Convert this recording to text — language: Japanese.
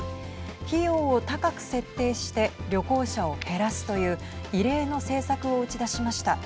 費用を高く設定して旅行者を減らすという異例の政策を打ち出しました。